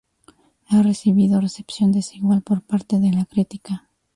Ha recibido recepción desigual por parte de la crítica.